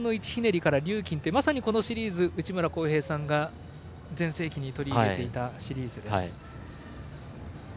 それからリューキンってまさにこのシリーズ内村航平さんが全盛期に取り入れていたシリーズです。